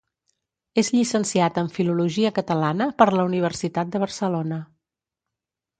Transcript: És llicenciat en Filologia Catalana per la Universitat de Barcelona.